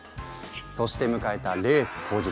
そして迎えたレース当日。